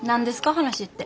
話って。